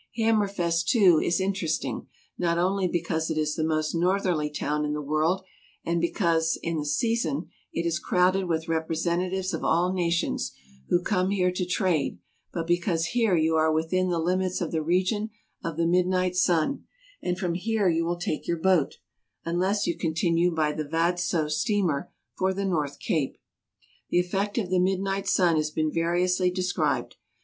Hammerfest, too, is interesting, not only because it is the most northerly town in the world, and because " in the sea son " it is crowded with representatives of all nations, who come here to trade, but because here you are within the limits of the region of the Midnight Sun, and from here you will take your boat (unless you continue by the Vadso steamer) for the North Cape. The effect of the midnight sun has been variously de scribed.